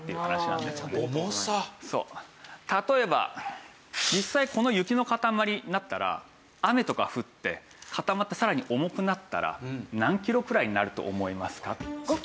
例えば実際この雪の塊になったら雨とか降って固まってさらに重くなったら何キロくらいになると思いますか？